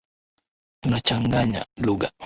Tunachanganya lugha